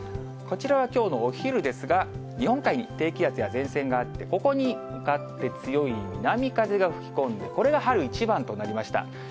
こちらはきょうのお昼ですが、日本海に低気圧や前線があって、ここに向かって強い南風が吹き込んで、これが春一番となりました。